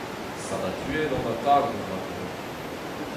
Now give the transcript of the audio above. Sabatuet on atav gant ma bro.